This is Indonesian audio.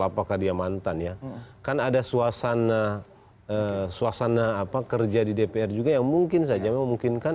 apakah dia mantan ya kan ada suasana suasana apa kerja di dpr juga yang mungkin saja memungkinkan